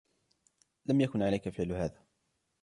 لم يكن عليك فعل هذا.